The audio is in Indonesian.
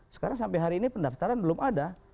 sekarang sampai hari ini pendaftaran belum ada